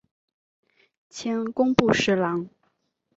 迁工部侍郎。